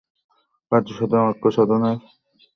কার্যসাধন এবং ঐক্যসাধনের এই একমাত্র উপায় আছে।